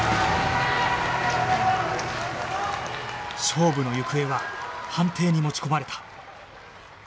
勝負の行方は判定に持ち込まれた